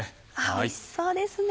おいしそうですね。